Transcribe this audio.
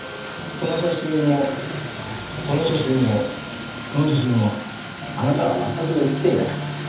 この写真もこの写真もこの写真もあなたはまったく写っていない。